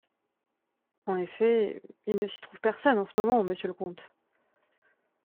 En effet… il ne s’y trouve personne en ce moment, monsieur le comte.